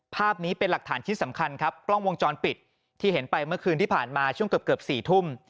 ภาพนี้เป็นหลักฐานชิ้นสำคัญครับกล้องวงจรปิดที่เห็นไปเมื่อคืนที่ผ่านมาช่วงเกือบเกือบ๔ทุ่ม